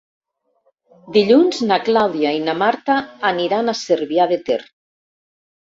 Dilluns na Clàudia i na Marta aniran a Cervià de Ter.